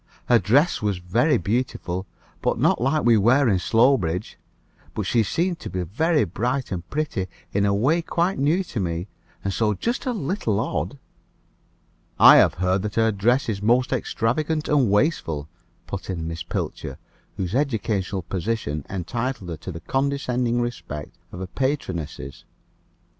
Her dress was very beautiful, and not like what we wear in Slowbridge; but she seemed to me to be very bright and pretty, in a way quite new to me, and so just a little odd." "I have heard that her dress is most extravagant and wasteful," put in Miss Pilcher, whose educational position entitled her to the condescending respect of her patronesses.